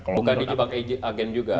bukan terjebak agen juga